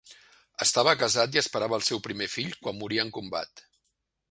Estava casat i esperava el seu primer fill quan morí en combat.